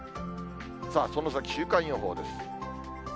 さあその先、週間予報です。